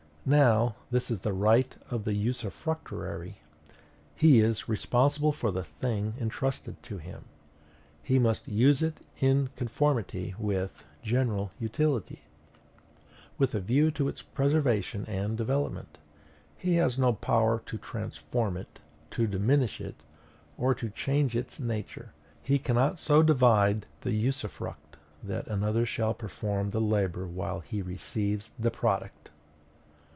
Now, this is the right of the usufructuary: he is responsible for the thing entrusted to him; he must use it in conformity with general utility, with a view to its preservation and development; he has no power to transform it, to diminish it, or to change its nature; he cannot so divide the usufruct that another shall perform the labor while he receives the product.